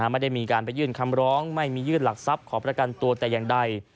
ไม่ได้มีการไปยื่นคำร้องไม่มียื่นหลักทรัพย์ขอประกันตัวแต่อย่างใด